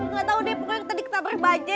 gak tau deh pokoknya tadi tabrak bajaj